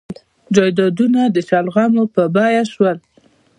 جایدادونه د شلغمو په بیه شول.